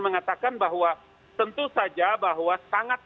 mengatakan bahwa tentu saja bahwa sangat